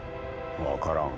分からん。